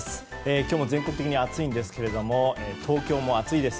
今日も全国的に暑いんですが東京も暑いです。